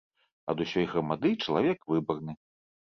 Ад усёй грамады чалавек выбарны.